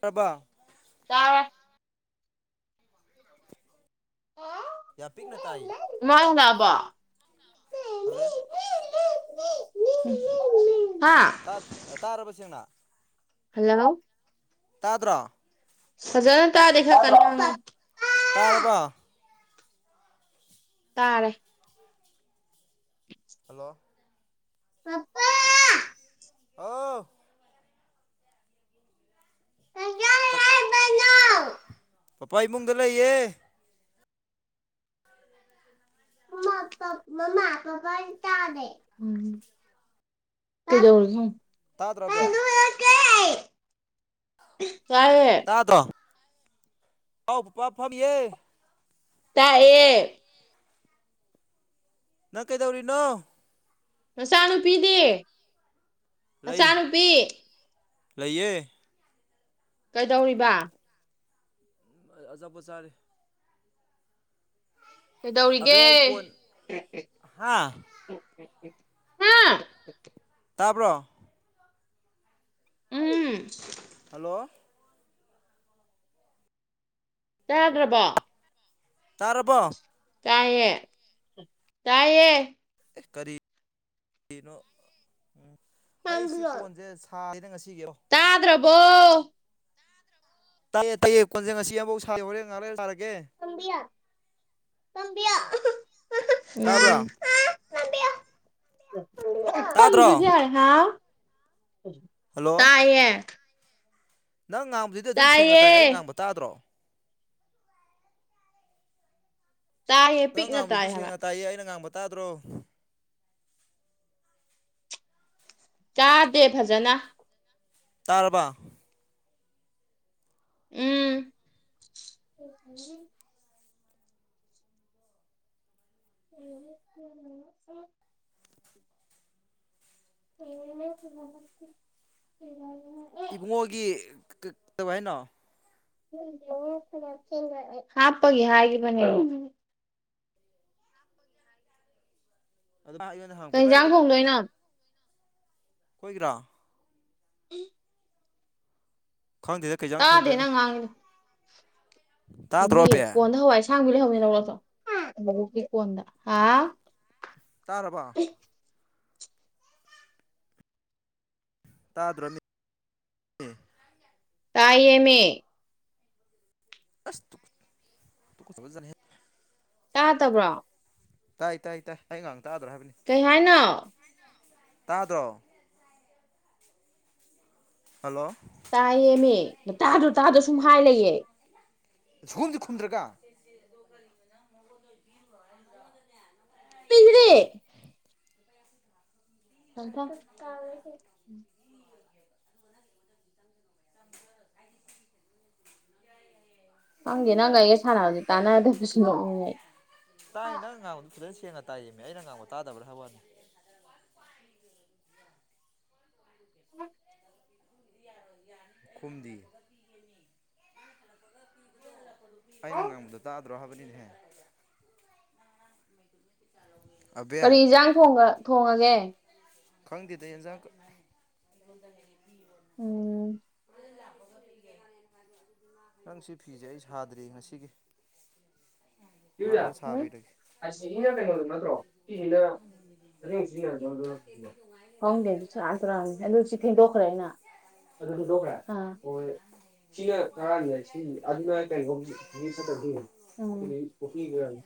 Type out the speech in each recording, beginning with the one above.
ꯇꯕ꫰꫰ ꯇꯥꯔꯦ꯫ ꯌꯥꯝ ꯄꯤꯛꯅ ꯇꯥꯏꯌ ꯏꯃꯥ ꯍꯥꯜꯂꯛ ꯑꯕꯣ꯫ ꯍꯥꯜꯂꯛꯑꯦ꯫ ꯍꯥ ꯇꯥꯔꯕ ꯁꯦꯡꯅ꯫ ꯍꯜꯂꯣ ꯇꯥꯗ꯭ꯔꯣ ꯁꯖꯥꯅ ꯇꯥ ꯗꯦꯥ ꯀ ꯇꯥꯔꯕ ꯇꯥꯔꯦ ꯍꯜꯂꯣ ꯄꯄ ꯑꯥ ꯄꯄꯥ ꯏꯃꯨꯡꯗ ꯂꯩꯌꯦ꯫ ꯃꯥ ꯄꯥꯞ ꯄꯥꯄꯥꯁꯤ ꯇꯗꯦ꯫ ꯀꯩꯗꯧꯔꯒꯦ ꯍꯪꯉꯨ꯫ ꯇꯥꯗ꯭ꯔ ꯑꯕꯦ꯫ ꯇꯌꯦ ꯇꯥꯌꯦ꯫ ꯇꯥꯗꯔꯣ ꯍꯥꯎ ꯄꯥꯄ ꯐꯝꯃꯤꯌꯦ꯫ ꯇꯌꯦ꯫ ꯅꯪ ꯀꯩꯗꯧꯔꯤꯅꯣ꯫ ꯅꯆꯥꯅꯨꯄꯤꯗꯤ ꯂꯩ ꯅꯆꯥꯅꯨꯄꯤ꯫ ꯂꯩꯌꯦ꯫ ꯀꯩꯗꯧꯔꯤꯕ꯫ ꯑꯆꯥꯄꯣꯠ ꯆꯥꯔꯤ꯫ ꯑꯕꯦ ꯀꯩꯗꯧꯔꯤꯒꯦ ꯑꯩ ꯀꯣꯟ ꯍꯥ ꯍꯥ꯫ ꯇꯥꯕꯔꯣ꯫ ꯎꯝ꯫ ꯍꯜꯂꯣ꯫ ꯇꯕꯔꯕ ꯇꯥꯔꯔꯕꯣ꯫ ꯇꯌꯦ ꯇꯌꯦ꯫ ꯑꯦ ꯀꯔꯤ ꯀꯔꯤꯅꯣ ꯑꯩ ꯁꯤ ꯀꯣꯟꯁꯦ꯫ ꯊꯥꯁꯤꯗ ꯉꯁꯤꯒꯤꯑꯣ꯫ ꯇꯥꯗ꯭ꯔꯕꯣ꯫ ꯇꯥꯏꯌꯦ ꯇꯥꯏꯌꯦ ꯀꯣꯟꯖꯦ ꯉꯁꯤ ꯑꯃꯐꯥꯎ ꯁꯥ ꯍꯣꯔꯦꯟ ꯉꯥꯛ ꯂꯥꯔꯒ ꯁꯔꯒꯦ꯫ ꯄꯥꯝꯕꯤꯌꯣ ꯄꯥꯝꯕꯤꯌꯣ ꯇꯥꯕ꯭ꯔꯥ ꯎꯝ꯫ ꯇꯥꯗ꯭ꯔꯣ ꯄꯥꯝꯗꯔꯁꯨ ꯌꯥꯔꯦ ꯍꯥꯎ ꯍꯜꯂꯣ ꯇꯥꯌꯦ꯫ ꯅꯪ ꯉꯥꯡꯕꯗꯨꯗꯤ ꯑꯗꯨꯝ ꯁꯦꯡꯅ ꯇꯥꯏꯌꯦ ꯑꯩ ꯉꯥꯡꯕ ꯇꯥꯗ꯭ꯔꯣ꯫ ꯇꯥꯏꯌꯦ ꯅꯪ ꯄꯤꯛꯅ ꯇꯥꯏ ꯉꯥꯡꯕꯁꯤꯗꯤ ꯍꯥꯏꯕ ꯁꯦꯡꯅ ꯇꯥꯏꯌꯦ ꯑꯩꯅ ꯉꯥꯡꯕ ꯇꯥꯗ꯭ꯔꯣ꯫ ꯇꯥꯗꯦ ꯐꯖꯅ꯫ ꯇꯥꯔꯕ꯫ ꯎꯝ [unintelligible] [unintelligible] ꯏꯕꯨꯡꯉꯣꯒꯤ ꯀꯩ ꯀꯩꯗꯧꯋꯦ ꯍꯥꯏꯅꯣ ꯍꯥꯞꯄꯒꯤ ꯍꯥꯏꯒꯤꯕꯅꯦ [unintelligible] ꯀꯩ ꯏꯕꯥꯏ ꯍꯟꯖꯥꯡ ꯊꯣꯡꯗꯣꯏꯅꯣ ꯈꯣꯏꯒꯤꯔꯣ ꯎ ꯈꯪꯗ ꯇꯥꯗꯦ ꯅꯪ ꯉꯥꯡꯉꯤꯅ ꯇꯥꯗ꯭ꯔꯣ ꯑꯕꯦ ꯀꯣꯟꯗ ꯍꯋꯥꯏ ꯁꯥꯡꯕꯤ ꯂꯩꯍꯅꯤ ꯂꯧꯔꯛꯗꯣ ꯂꯧꯣꯛꯀꯤ ꯀꯣꯟꯗ ꯍꯥ ꯆꯥꯔꯕꯣ ꯇꯥꯗ꯭ꯔꯝꯃꯤ꫰꫰ ꯇꯥꯌꯦꯃꯤ꯫ ꯑꯁ ꯇꯨꯀꯠꯆꯥꯕ ꯖꯥꯠꯅꯤꯍꯦ꯫ ꯇꯥꯗꯕꯔꯣ ꯇꯥꯏ ꯇꯥꯏ ꯇꯥꯏ ꯑꯩ ꯉꯥꯡ ꯇꯥꯗ꯭ꯔꯣ ꯍꯥꯏꯕꯅꯤ ꯀꯩ ꯍꯥꯏꯅꯣ ꯇꯥꯗ꯭ꯔꯣ ꯍꯜꯂꯣ ꯇꯥꯏꯌꯦꯃꯦ ꯇꯥꯗ꯭ꯔꯣ ꯇꯥꯗꯣ ꯁꯨꯝ ꯍꯥꯏ ꯂꯩꯌꯦ ꯁꯨꯈꯨꯝꯗꯤ ꯈꯨꯝꯗ꯭ꯔꯥꯒꯥ ꯄꯤꯒꯦꯔꯦ [unintelligible] ꯈꯪꯗꯦ ꯅꯪꯒꯥ ꯑꯩꯒꯥ ꯁꯥꯟꯅꯕꯗꯤ ꯇꯥꯟꯅꯗꯕꯗꯨ ꯁꯨꯝ ꯅꯣꯛꯅꯤꯡꯉꯦ ꯑꯩ ꯇꯥꯏꯌꯦ ꯅꯪ ꯉꯥꯡꯕꯗꯣ ꯐꯖꯅ ꯁꯦꯡꯅ ꯇꯥꯏꯌꯦꯝꯃꯦ ꯑꯩꯅ ꯉꯥꯡꯕ ꯇꯥꯗ꯭ꯕꯔꯥ ꯍꯥꯏꯕ ꯋꯥꯅꯤ ꯈꯨꯨꯝꯗꯤ ꯑꯩꯅ ꯉꯥꯡꯕꯗꯣ ꯇꯥꯗ꯭ꯔꯣ ꯍꯥꯏꯕꯅꯤꯅꯦꯍꯦ ꯑꯕꯦ ꯀꯔꯤ ꯏꯟꯖꯥꯡ ꯊꯣꯡꯉꯥ ꯊꯣꯡꯉꯥꯒꯦ ꯈꯪꯗꯗꯥ ꯌꯦꯟꯖꯥꯡꯒꯥ ꯎꯝ ꯅꯪ ꯁꯤ ꯐꯤꯖꯦ ꯑꯩ ꯁꯥꯗ꯭ꯔꯤ ꯉꯁꯤꯒꯤ [unintelligible] ꯉꯥꯏꯍꯥꯛ ꯂꯩꯔ ꯍꯝ ꯁꯥꯕꯤꯔꯒꯦ ꯑꯁꯤꯒꯤ ꯅꯪ ꯀꯩꯅꯣꯗꯣ ꯅꯠꯇꯔꯣ [unintelligible] [unintelligible] ꯈꯪꯗꯦ ꯑꯗꯨ ꯁꯦꯔꯥꯟ ꯇꯨꯔꯥꯟꯅꯤ ꯑꯗꯨ ꯁꯤ ꯐꯦꯡꯗꯣꯛꯈ꯭ꯔꯦ ꯑꯩꯅ ꯑꯗꯨ ꯐꯦꯡꯗꯣꯛꯈ꯭ꯔꯦ ꯑꯥ ꯍꯣꯏ ꯁꯤꯅ ꯉꯥꯔꯥꯡꯒꯤ ꯏꯁꯤꯡ ꯑꯗꯨꯅ ꯀꯩꯅꯣꯒꯤ [unintelligible] ꯄꯣꯈꯤꯒꯔꯥꯃꯤ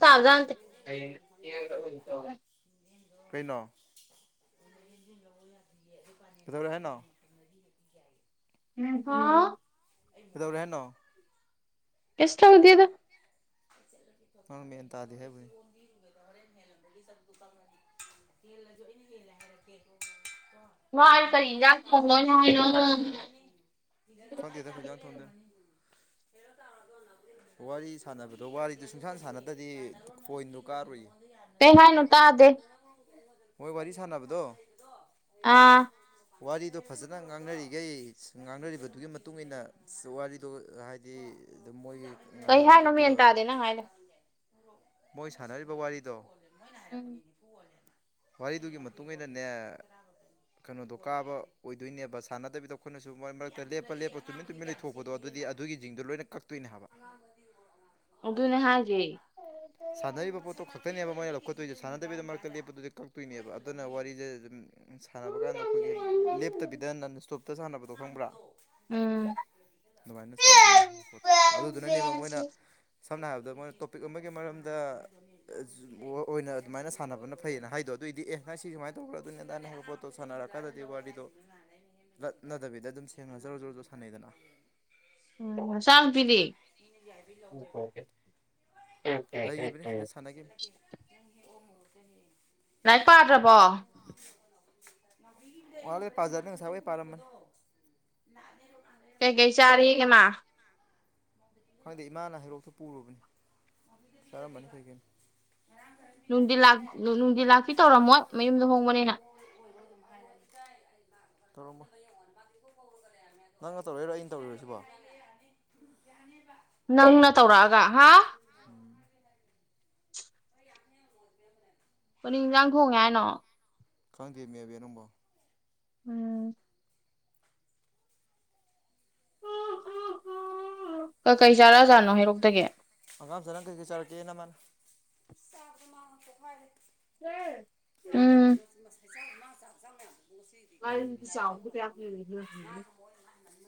ꯇꯥꯕꯖꯥꯠ ꯀꯩꯅꯣ ꯀꯩꯗꯧꯔꯦ ꯍꯥꯏꯅꯣ ꯎꯝ ꯍꯥꯎ ꯀꯩꯗꯧꯔꯦ ꯍꯥꯏꯅꯣ ꯀꯩꯁꯨ ꯇꯧꯗꯦꯗꯥ ꯅꯪ ꯃꯦꯟ ꯇꯥꯗꯦ ꯍꯥꯏꯕꯩ ꯍꯦꯜꯂꯝꯕꯥꯒꯤ ꯆꯠꯂꯨ ꯍꯦꯜꯂꯖꯨ ꯑꯩꯅ ꯍꯦꯜꯂꯦ ꯍꯥꯏꯔꯛꯀꯦ ꯃꯥ ꯀꯔꯤ ꯏꯟꯖꯥꯡ ꯊꯣꯡꯗꯣꯏꯅꯣ ꯍꯥꯏꯅꯣ [unintelligible] ꯈꯪꯗꯦꯗꯥ ꯀꯩ ꯏꯟꯖꯥꯡ ꯊꯣꯡꯗꯣꯏꯅꯣ ꯋꯥꯔꯤ ꯁꯥꯟꯅꯕꯗꯣ ꯋꯥꯔꯤ ꯑꯗꯨ ꯁꯨꯡꯁꯥꯟ ꯁꯥꯟꯅꯗꯗꯤ ꯄꯣꯏꯟꯗꯨ ꯀꯥꯔꯨꯏ ꯀ ꯍꯥꯏꯅꯨ ꯇꯥꯗꯦ ꯃꯣꯏ ꯋꯥꯔꯤ ꯁꯥꯟꯅꯕꯗꯣ ꯑꯥ ꯋꯥꯔꯤꯗꯣ ꯐꯖꯅ ꯉꯥꯡꯅꯔꯤꯈꯩ ꯉꯥꯡꯅꯔꯤꯕꯗꯨꯒꯤ ꯃꯇꯨꯡ ꯏꯟꯅ ꯋꯥꯔꯤꯗꯣ ꯍꯥꯏꯗꯤ ꯑꯗ ꯃꯣꯏꯒꯤ ꯀꯩ ꯅꯍꯥꯟ ꯍꯥꯏꯅꯣ ꯃꯦꯟ ꯎꯠꯄꯗꯣ ꯇꯥꯗꯦ ꯅꯪ ꯍꯥꯏꯥꯏꯂ ꯃꯣꯏ ꯁꯥꯟꯅꯔꯤꯕ ꯋꯥꯔꯤꯗꯣ ꯎꯝ ꯋꯥꯔꯤꯗꯨꯒꯤ ꯃꯇꯨꯡꯟꯅꯅꯦ ꯀꯩꯅꯣꯗꯣ ꯀꯥꯕ ꯑꯣꯏꯗꯣꯏꯅꯦꯕ ꯁꯥꯟꯅꯗꯕꯤꯗꯣ ꯑꯩꯈꯣꯏꯅꯁꯨ ꯃꯔꯛ ꯃꯔꯛꯇ ꯂꯦꯞꯄ ꯂꯦꯞꯄ ꯇꯨꯃꯤꯟꯅ ꯇꯨꯃꯤꯟꯅ ꯂꯩꯊꯣꯛ ꯊꯣꯛꯄꯗꯣ ꯑꯗꯨꯗꯤ ꯑꯗꯨꯒꯤ ꯖꯤꯡꯗꯣ ꯂꯣꯏꯅ ꯀꯛꯇꯣꯏꯅꯦ ꯍꯥꯏꯕ ꯑꯗꯨꯅꯦ ꯍꯥꯏꯖꯦ ꯁꯥꯟꯅꯔꯤꯕ ꯄꯣꯠꯇꯣ ꯈꯛꯇꯅꯦꯕ ꯃꯣꯏꯅ ꯂꯧꯈꯠꯇꯣꯏꯖꯦ ꯁꯥꯟꯅꯗꯕꯤꯗꯥ ꯃꯔꯛꯇꯥ ꯂꯦꯞꯄꯗꯨꯗꯤ ꯀꯛꯇꯣꯏꯅꯦꯕ ꯑꯗꯨꯅ ꯋꯥꯔꯤꯖꯦ ꯑꯗꯨꯝ ꯁꯥꯟꯅꯕ ꯀꯥꯟꯗ ꯑꯩꯈꯣꯏꯒꯤ ꯂꯦꯞꯇꯥꯕꯤꯗꯥ ꯅꯟ ꯏꯁꯇꯣꯞꯇꯥ ꯁꯥꯟꯅꯕꯗꯣ ꯈꯪꯕ꯭ꯔꯥ ꯎꯝ ꯑꯗꯨꯃꯥꯏꯅ ꯁꯥꯟꯅꯒꯗꯧꯅꯦ ꯄꯣꯠꯇꯣ ꯑꯗꯨꯗꯨꯅꯅꯦꯕ ꯃꯣꯏꯅ ꯁꯝꯅ ꯍꯥꯏꯔꯕꯗꯥ ꯃꯣꯏꯅ ꯇꯣꯄꯤꯛ ꯑꯃꯒꯤ ꯃꯔꯝꯗꯥ ꯑꯣꯏꯅ ꯑꯗꯨꯃꯥꯏꯅ ꯁꯥꯟꯅꯕꯅ ꯐꯩꯌꯦꯅ ꯍꯥꯏꯗꯣ ꯑꯗꯨꯑꯣꯏꯗꯤ ꯑꯦ ꯅꯪ ꯁꯤ ꯁꯨꯃꯥꯏꯅ ꯇꯧꯕ꯭ꯔꯥ ꯑꯗꯨꯅꯤ ꯑꯗꯥꯅꯦ ꯍꯥꯏꯕ ꯄꯣꯠ ꯇꯣ ꯁꯥꯟꯅꯔꯀꯥꯟꯗꯥꯗꯤ ꯋꯥꯔꯤꯗꯣ ꯂꯠꯅꯗꯥꯕꯤꯗ ꯑꯗꯨꯝ ꯁꯦꯡꯅ ꯖꯣꯔꯣꯖꯣꯔꯣꯁꯨ ꯁꯥꯟꯅꯩꯗꯅ ꯎꯝ ꯆꯥꯅꯨꯄꯤꯗꯤ ꯂꯩꯒꯤꯕꯅꯤ ꯁꯤꯗꯥ ꯁꯥꯟꯅꯒꯤ ꯂꯥꯏꯔꯤꯛ ꯄꯥꯗ꯭ꯔꯕꯣ꯫ ꯋꯥꯠꯂꯤ꯫ ꯂꯅꯦꯔꯣ ꯀꯥꯟꯒ꯭ꯔꯦ꯫ ꯀꯩ ꯀꯩ ꯆꯥꯔꯤꯒ ꯃꯥ꯫ ꯈꯪꯗꯦ ꯏꯃꯥꯅ ꯍꯩꯔꯣꯛꯇ ꯄꯨꯔꯨꯕꯅꯤ ꯆꯥꯔꯝꯕꯅꯤ ꯀꯩꯒꯤꯅꯣ ꯅꯨꯡꯗꯤ ꯂ ꯅꯨꯡꯗꯤ ꯂꯥꯛꯄꯤ ꯇꯧꯔꯝꯃꯣꯏ ꯃꯌꯨꯝꯗ ꯍꯣꯡꯕꯅꯤꯅ [unintelligible] ꯅꯪꯅ ꯇꯧꯔꯏꯔꯣ ꯑꯩꯅ ꯇꯧꯔꯔꯣꯁꯤꯕꯣ ꯅꯪꯅ ꯇꯧꯔꯛꯑꯒ ꯍꯥ ꯎꯝ ꯄꯨꯣꯠ ꯏꯟꯖꯥꯡ ꯊꯣꯡꯉꯦ ꯍꯥꯏꯅꯣ ꯈꯪꯗꯦ ꯃꯕꯤ ꯑꯅꯪꯝꯕꯣ ꯎꯝ ꯀꯩ ꯆꯥꯔꯛꯖꯥꯠꯅꯣ ꯍꯩꯔꯣꯛꯇꯒꯤ ꯑꯉꯥꯡꯝꯦ ꯅꯪ ꯀꯩꯀꯩ ꯆꯔꯒꯦꯅꯃꯅ ꯁꯥꯐ ꯃꯥꯄ ꯍꯔꯠ ꯎꯝ ꯃꯁꯥꯏꯖꯥꯎ ꯃ ꯃꯥ ꯥꯖꯉ ꯉꯣꯁꯤ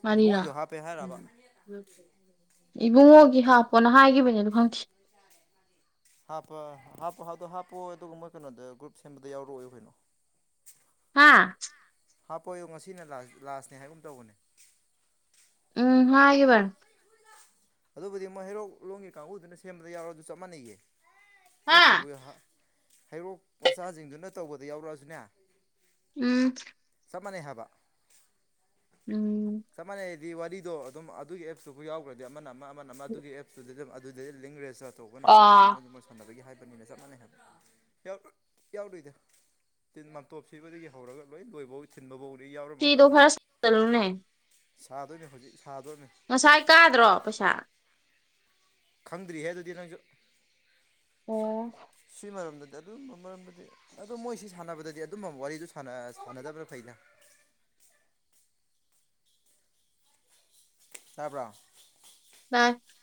ꯃꯔꯤꯔꯥ ꯏꯕꯨꯡꯉꯣꯏꯁꯨ ꯍꯥꯞꯄꯦ ꯍꯥꯏꯔꯕ ꯎꯝ ꯏꯕꯨꯡꯉꯣꯒꯤ ꯍꯥꯞꯄꯣꯅ ꯍꯥꯏꯒꯤꯈꯤꯕꯅꯦ ꯑꯗꯨ ꯈꯪꯈꯤ ꯍꯥꯞꯄ ꯍꯥꯞꯄ ꯍꯥꯞꯇꯣ ꯍꯥꯞꯄꯣꯑꯣ ꯑꯗꯨꯒ ꯃꯣꯏ ꯀꯩꯅꯣꯗ ꯒ꯭ꯔꯨꯞ ꯁꯦꯝꯕꯗ ꯌꯥꯎꯔꯛꯑꯣꯏꯈꯣꯏꯩꯅꯣ ꯍꯥꯥ ꯍꯥꯞꯄꯣꯌꯡ ꯉꯁꯤꯅ ꯂꯥꯁꯅꯦ ꯍꯥꯏꯒꯨꯝ ꯇꯧꯕꯅꯦ ꯎꯝ ꯍ ꯍꯥꯏ ꯋꯥ ꯑꯗꯨꯕꯨꯗꯤ ꯃꯣꯏ ꯍꯩꯔꯣꯛ ꯂꯣꯡꯒꯤ ꯀꯥꯡꯕꯨꯗꯨꯅ ꯁꯦꯝꯕꯗ ꯌꯥꯎꯔ ꯑꯗꯨ ꯆꯞ ꯃꯥꯟꯅꯩꯌꯦ ꯍꯥ ꯑꯦꯞꯇꯨꯕꯨ ꯍꯩꯔꯣꯛ ꯃꯆꯥꯁꯤꯡꯗꯨꯅ ꯇꯧꯕꯗ ꯌꯥꯎꯔꯛꯑꯁꯨꯅꯦ ꯎꯝ ꯆꯞ ꯃꯥꯟꯅꯩ ꯍꯥꯏꯕ ꯎꯝ ꯆꯞ ꯃꯥꯟꯅꯩꯗꯤ ꯋꯥꯔꯤꯗꯣ ꯑꯗꯨꯝ ꯑꯗꯨꯒꯤ ꯑꯦꯞꯇꯨꯕꯨ ꯌꯥꯎꯈ꯭ꯔꯗꯤ ꯑꯃꯅ ꯑꯃ ꯑꯃꯅ ꯑꯃ ꯑꯗꯨꯒꯤ ꯑꯦꯞꯇꯨꯗꯤ ꯑꯗꯨꯝ ꯑꯗꯨꯗꯩ ꯂꯤꯡ ꯔꯦꯖꯤꯁꯇꯥꯔ ꯇꯧꯕ ꯅꯝꯕꯔꯁꯤꯡꯗꯨꯅ ꯑꯥ ꯑꯗꯨꯝ ꯐꯅꯕꯒꯤ ꯍꯥꯏꯕꯅꯤꯅ ꯆꯞ ꯃꯥꯟꯅꯩ ꯍꯥꯏꯕ ꯌꯥꯎꯗꯣꯏꯗ ꯇꯤꯟ ꯃꯥꯇꯣꯞ ꯁꯤꯕꯗꯒꯤ ꯍꯧꯔꯒ ꯂꯣꯏ ꯂꯣꯏꯕꯧ ꯊꯤꯟꯕꯐꯧꯅꯤ ꯌꯥꯎꯔꯝꯃꯒ ꯂꯥꯛꯍꯜꯜꯂꯤ ꯆꯂꯨꯏ ꯁꯥꯗꯣꯏꯅꯦ ꯍꯧꯖꯤꯛ ꯁꯥꯗꯣꯏꯅꯦ ꯉꯁꯥꯏ ꯀꯥꯗ꯭ꯔꯣ ꯄꯩꯁꯥ꯫ ꯈꯪꯗ꯭ꯔꯤꯍꯦ ꯑꯗꯨꯗꯤ ꯅꯪꯁꯨ꯫ ꯑꯣ꯫ ꯑꯗꯨꯒꯤ ꯃꯔꯝꯗꯗꯤ ꯑꯗꯨꯝꯕ ꯃꯔꯝꯗꯗꯤ ꯑꯗꯨ ꯃꯣꯏꯁꯤ ꯁꯥꯟꯅꯕꯗꯗꯤ ꯑꯗꯨꯝꯕ ꯋꯥꯔꯤꯗ ꯁꯥꯟꯅꯗꯕ꯭ꯔꯥ ꯐꯩꯩꯅ ꯇꯥꯕ꯭ꯔꯣ [unintelligible]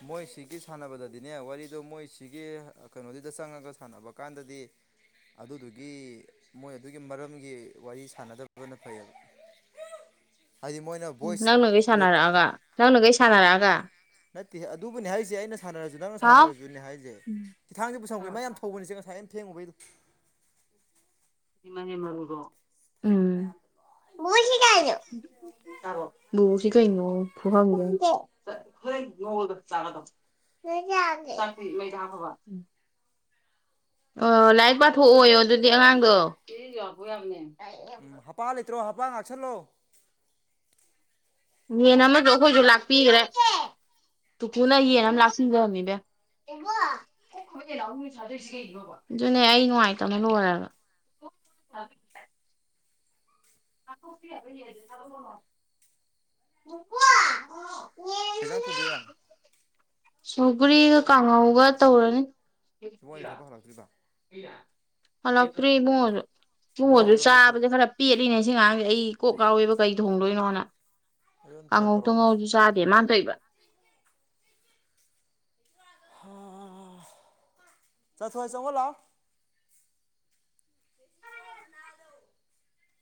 ꯑꯣ ꯃꯣꯏꯁꯤꯒꯤ ꯁꯥꯟꯅꯕꯗꯗꯤꯅꯦ ꯋꯥꯔꯤꯗꯣ ꯃꯣꯏꯁꯤꯒꯤ ꯀꯩꯅꯣꯗꯨꯗ ꯆꯪꯉꯒ ꯁꯥꯟꯅꯕ ꯀꯥꯟꯗꯗꯤ ꯑꯗꯨꯗꯨꯒꯤ ꯃꯣꯏ ꯑꯗꯨꯒꯤ ꯃꯔꯝꯒꯤ ꯋꯥꯔꯤ ꯁꯥꯟꯅꯗꯕꯅ ꯐꯩꯌꯦꯕ ꯍꯥꯏꯗꯤ ꯃꯣꯏ ꯎ ꯅꯪꯅꯒꯩ ꯁꯥꯟꯅꯔꯛꯑꯒ ꯅꯪꯅꯒꯩ ꯁꯥꯟꯅꯔꯛꯑꯒ ꯅꯠꯇꯦ ꯑꯗꯨꯕꯨꯅꯤ ꯍꯥꯏꯔꯤꯁꯦ ꯑꯩꯅ ꯁꯥꯟꯅꯔꯁꯨ ꯅꯪꯅ ꯍꯥꯎ ꯁꯥꯟꯅꯔꯖꯁꯨꯅꯦ ꯍꯥꯏꯁꯦ ꯈꯤꯊꯥꯡꯁꯦ ꯄꯨ ꯁꯝꯄꯩ ꯃꯥ ꯌꯥꯝ ꯊꯧꯕꯅꯤꯁꯦ ꯉꯥꯏ ꯌꯥꯝ ꯊꯦꯡꯉꯨꯕꯩꯗꯣ ꯃꯅꯦꯦ ꯃꯔꯔꯒꯣ [unintelligible] ꯕꯨꯕꯣꯛꯁꯤ ꯀꯩꯅꯣ ꯐꯨꯍꯟꯗꯣꯏꯅꯦ꯫ ꯆꯥꯛꯇꯤ ꯃꯩꯗ ꯍꯞꯈꯔ꯭ꯕꯥ꯫ ꯑꯣ ꯂꯥꯏꯔꯤꯛ ꯄꯥꯊꯣꯛꯑꯣꯣ ꯑꯗꯨꯗꯤ ꯑꯉꯥꯡꯗꯣ ꯍ ꯍꯥꯄꯥ ꯂꯩꯇ꯭ꯔꯣ ꯍꯄꯥ ꯉꯥꯛꯁꯜꯂꯣ ꯌꯦꯟ ꯑꯃꯁꯨ ꯑꯩꯈꯣꯏꯁꯨ ꯂꯥꯛꯄꯤꯈ꯭ꯔꯦ ꯇꯨꯀꯨꯅ ꯌꯦꯟ ꯑꯃ ꯀꯅꯥꯅꯣ ꯂꯥꯛꯄꯤ ꯁꯤꯒꯅꯤꯗ ꯑꯗꯨꯅꯦ ꯑꯩ ꯅꯨꯡꯉꯥꯏꯇꯕꯅ ꯂꯣꯏꯔꯦꯒ ꯍꯥꯏ ꯀꯩꯖꯅ ꯊꯨꯗꯣꯏꯔꯥ ꯁꯨꯒ꯭ꯔꯤꯒ ꯀꯥꯡꯉꯧꯒ ꯇꯧꯔꯅꯤ ꯐꯥ ꯂꯥꯛ꯭ꯔꯤꯕ ꯍꯜꯂꯛ ꯀꯨꯔꯤꯃ ꯏꯣ ꯏꯕꯨꯡꯉꯣꯁꯨ ꯑꯗꯨ ꯑꯩꯉꯣꯟꯗ ꯐꯣꯟ ꯆꯥꯕꯗ ꯈꯔ ꯄꯦꯂꯤꯅꯦ ꯏ ꯑꯥꯡꯁꯦ ꯑꯩ ꯀꯣꯛ ꯀꯥꯎꯋꯦꯕ ꯀꯩ ꯊꯣꯡꯗꯣꯏꯅꯣ ꯍꯥꯟꯅ ꯑꯩꯉꯣꯟꯗ ꯐꯣꯟ ꯀꯥꯡꯉꯧ ꯇꯧꯔꯛꯑꯝꯕꯅꯤ ꯇꯉꯧꯁꯨ ꯆꯥꯗꯦ ꯃꯥꯟ ꯇꯣꯏꯏꯕ ꯆꯊꯋꯥꯏ ꯆ ꯑꯣ ꯂꯥꯛ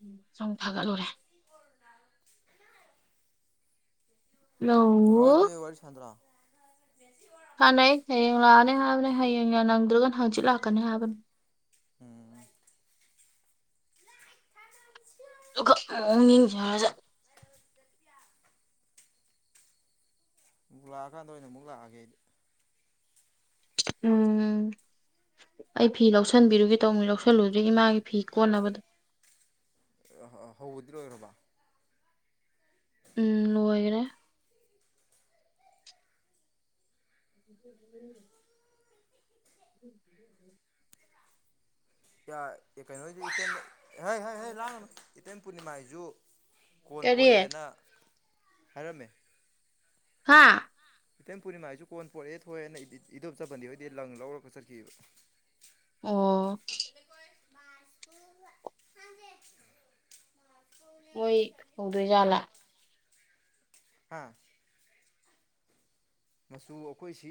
ꯎ ꯁꯨꯝ ꯐꯥꯒꯠꯂꯨꯔꯦ [unintelligible] ꯅꯅꯨꯡꯗꯤ ꯂꯧꯎ ꯋꯥꯔꯤ ꯆꯟꯗ꯭ꯔꯥ ꯐꯥꯟꯅꯩ ꯍꯌꯦꯡ ꯂꯥꯛꯑꯅꯤ ꯍꯥꯏꯕꯅꯦ ꯍꯌꯦꯡ ꯅꯪꯗ꯭ꯔꯒꯅ ꯍꯪꯆꯤꯠ ꯂꯥꯛꯀꯅꯤ ꯍꯥꯏꯕꯅꯦ ꯎꯝ [unintelligible] ꯑꯗꯨꯒꯛ ꯌꯦꯡꯖꯔꯁꯠ ꯑꯃꯨꯛ ꯂꯥꯛꯑꯀꯥꯟꯗ ꯑꯣꯏꯅ ꯑꯃꯨꯛ ꯂꯥꯛꯑꯒꯦꯗꯤ ꯎꯝ [unintelligible] ꯑꯩ ꯐꯤ ꯂꯧꯁꯟꯕꯤꯔꯨꯒꯦ ꯇꯧꯅꯤ ꯂꯧꯁꯜꯂꯨꯗ꯭ꯔꯦ ꯏꯃꯥꯒꯤ ꯐꯤ ꯀꯣꯟꯅꯕꯗ ꯑ ꯍꯧꯕꯗꯤ ꯂꯣꯏꯈ꯭ꯔꯔꯕ ꯎꯝ ꯂꯣꯏꯈꯔꯦ ꯎ ꯎꯝ ꯀ ꯀꯩꯅꯣꯆ ꯍꯣꯏ ꯍꯣꯏ ꯍꯣꯏ ꯂꯥꯛꯝꯃꯦ ꯏꯇꯦꯝ ꯄꯨꯔꯅꯤꯃꯥꯏꯁꯨ ꯀꯣꯟ ꯀꯔꯤ ꯄꯣꯔꯛꯑꯦꯅ ꯍꯥꯏꯔꯝꯃꯦ ꯍꯥꯥ ꯏꯊꯦꯝ ꯄꯨꯔꯅꯤꯃꯥꯁꯤꯁꯨ ꯀꯣꯟ ꯄꯣꯔꯛꯑꯦ ꯊꯣꯛꯑꯦꯅ ꯏꯙꯣꯞꯆꯕꯟꯗꯤ ꯍꯣꯏꯗꯤ ꯂꯪ ꯂꯧꯔꯒ ꯆꯠꯈꯤꯕꯕ ꯑꯣ ꯃꯣꯏ ꯇꯧꯗꯣꯏꯖꯥꯠꯂꯥ ꯍꯥꯥ ꯃꯆꯨ ꯑꯩꯈꯣꯏꯁꯤ